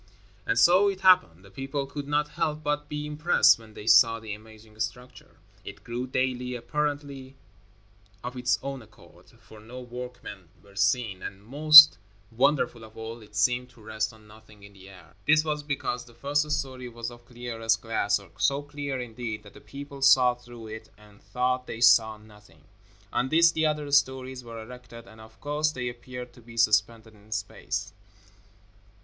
And so it happened. The people could not help but be impressed when they saw the amazing structure. It grew daily, apparently of its own accord, for no workmen were seen; and most wonderful of all, it seemed to rest on nothing in the air! This was because the first story was of clearest glass, so clear, indeed, that the people saw through it and thought they saw nothing. On this the other stories were erected, and, of course, they appeared to be suspended in space.